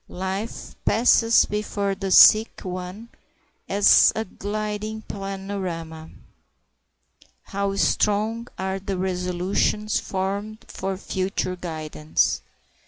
Life passes before the sick one as a gliding panorama. How strong are the resolutions formed for future guidance!